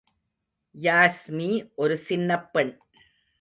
யாஸ்மி ஒரு சின்னப் பெண்.